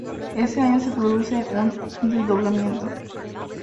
Ese año se produce un desdoblamiento.